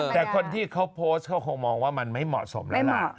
แต่คนที่เขาโพสต์เขาคงมองว่ามันไม่เหมาะสมแล้วล่ะ